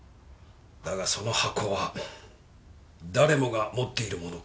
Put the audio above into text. だがその箱は誰もが持っているものかもしれない。